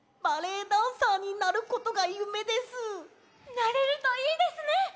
なれるといいですね！